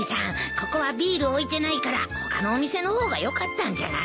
ここはビール置いてないから他のお店の方がよかったんじゃない？